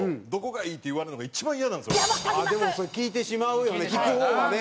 でもそれ聞いてしまうよね聞く方はね。